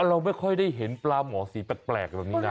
เราไม่ค่อยได้เห็นปลาหมอสีแปลกแบบนี้นะ